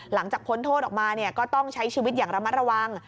พ้นโทษออกมาก็ต้องใช้ชีวิตอย่างระมัดระวัง